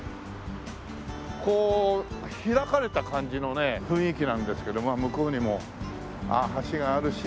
こう開かれた感じのね雰囲気なんですけど向こうにも橋があるし。